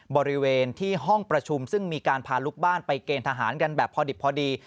บริเวณที่ห้องประชุมซึ่งมีการพาลูกบ้านไปเกณฑหารกันแบบพอดิบพอดี